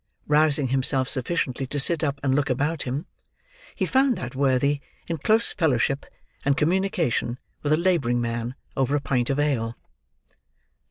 Rousing himself sufficiently to sit up and look about him, he found that worthy in close fellowship and communication with a labouring man, over a pint of ale.